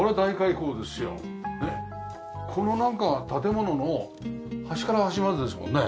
このなんか建物の端から端までですもんね。